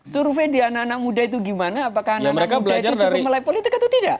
survei di anak anak muda itu gimana apakah anak anak muda itu cukup melek politik atau tidak